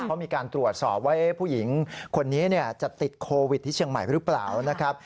เขามีการตรวจสอบว่าผู้หญิงคนนี้จะติดโควิดที่เชียงใหม่หรือเปล่านะครับ